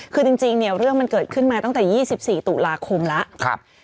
คือจริงเนี่ยเรื่องมันเกิดขึ้นมาตั้งแต่๒๔ตุลาคมแล้ว